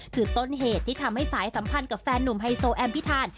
คือต้นเหตุที่ทำให้สายสัมพันธ์กับแฟนหนุ่มไฮโซแอมพิธาน